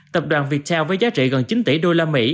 tập đoàn viettel với giá trị gần chín tỷ usd